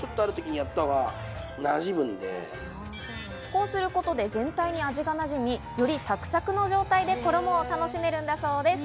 こうすることで全体に味がなじみ、よりサクサクの状態で衣を楽しめるんだそうです。